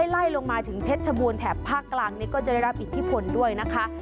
ไล่ลงมาถึงเพชรชบูรณแถบภาคกลางก็จะได้รับอิทธิพลด้วยนะคะ